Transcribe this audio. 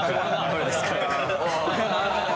これです。